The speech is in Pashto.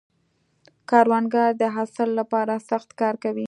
کروندګر د حاصل له پاره سخت کار کوي